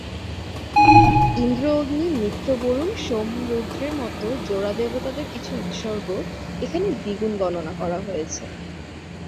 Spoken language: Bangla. ইন্দ্র-অগ্নি, মিত্র-বরুণ, সোম-রুদ্রের মতো জোড়া দেবতাদের কিছু উৎসর্গ এখানে দ্বিগুণ গণনা করা হয়েছে।